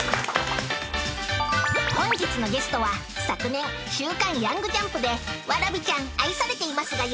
本日のゲストは昨年週刊ヤングジャンプでわらびちゃん、愛されています！